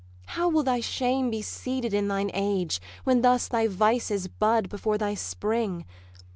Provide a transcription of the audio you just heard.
'How will thy shame be seeded in thine age, When thus thy vices bud before thy spring!